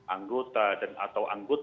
anggota dan atau